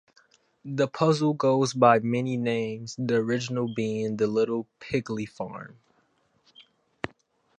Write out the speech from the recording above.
The puzzle goes by many names, the original being "The Little Pigley Farm".